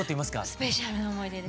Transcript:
スペシャルな思い出です。